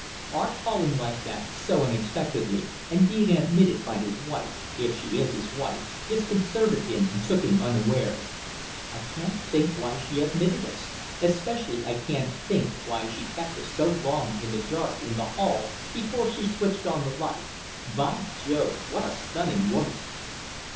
Our calling like that, so unexpectedly, and being admitted by his wife if she is his wife disconcerted him and took him unawares. I can't think why she admitted us especially I can't think why she kept us so long in the dark in the hall before she switched on the light. By Jove! What a stunning woman!"